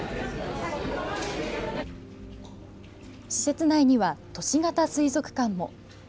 施設内には都市型水族館も。